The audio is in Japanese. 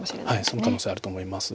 その可能性あると思います。